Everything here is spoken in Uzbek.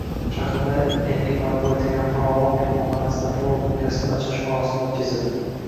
Shaharda yangi barpo etilgan “Farovon” mehmonxonasida forumning rasmiy ochilishi marosimi oʻtkazildi.